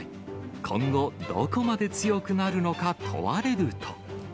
今後、どこまで強くなるのか問われると。